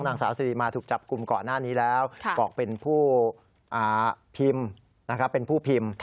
นางสาวสิริมาถูกจับกลุ่มก่อนหน้านี้แล้วบอกเป็นผู้พิมพ์เป็นผู้พิมพ์